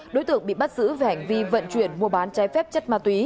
đối tượng bị bắt giữ về hành vi vận chuyển mua bán trái phép chất ma túy